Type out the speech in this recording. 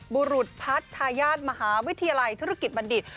บุรุษพัฒน์ทายาทมหาวิทยาลัยธุรกิจบัณฑิต